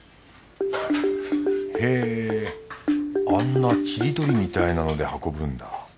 へえあんなちり取りみたいなので運ぶんだ